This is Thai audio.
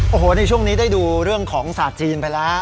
โอ้โหในช่วงนี้ได้ดูเรื่องของศาสตร์จีนไปแล้ว